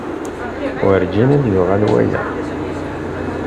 Werǧin ad d-yuɣal waya.